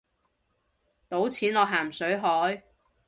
倒錢落咸水海